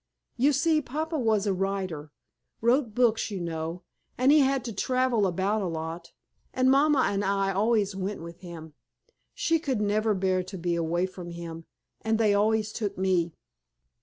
You see Papa was a writer—wrote books, you know, and he had to travel about a lot, and Mama and I always went with him. She could never bear to be away from him, and they always took me.